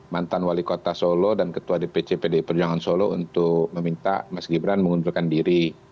mantan wali kota solo dan ketua dpc pdi perjuangan solo untuk meminta mas gibran mengundurkan diri